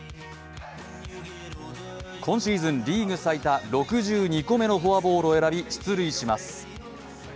今シーズン、リーグ最多６２個目のフォアボールを選び出塁します。